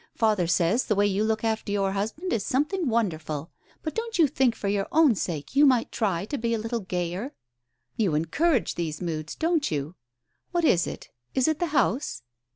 Father says the way you look after your husband is something wonderful, but don't you think for your Digitized by Google 102 TALES OF THE UNEASY own sake you might try to be a little gayer? You encourage these moods, don't you? What is it? Is it the house